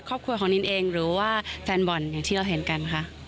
ของหนินเองหรือว่าแฟนบอลที่เราเห็นกัน